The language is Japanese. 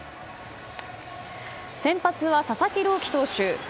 先発は佐々木朗希投手。